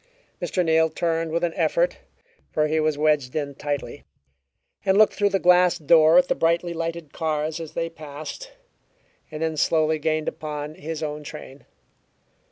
Mr. Neal turned with an effort (for he was wedged in tightly) and looked through the glass door at the brightly lighted cars as they passed, and then slowly gained upon, his own train.